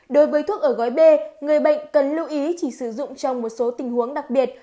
đối với thuốc ở gói b người bệnh cần lưu ý chỉ sử dụng trong một số tình huống đặc biệt